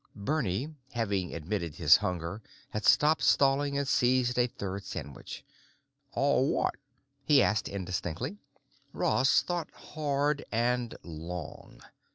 Bernie, having admitted his hunger, had stopped stalling and seized a third sandwich. "All what?" he asked indistinctly. Ross thought hard and long.